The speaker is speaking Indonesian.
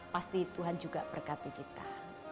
pasti tuhan juga berkati kita